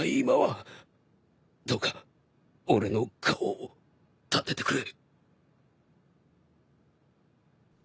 どうか俺の顔を立ててくれ。